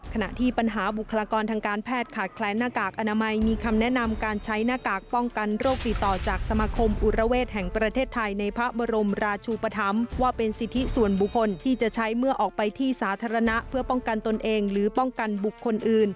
ขณะที่ปัญหาบุคลากรทางการแพทย์ขาดแคลนหน้ากากอนามัยมีคำแนะนำการใช้หน้ากากป้องกันโรคติดต่อจากสมาคมอุระเวศแห่งประเทศไทยในพระบรมราชูปธรรมว่าเป็นสิทธิส่วนบุคคลที่จะใช้เมื่อออกไปที่สาธารณะเพื่อป้องกันตนเองหรือป้องกันบุคคลอื่น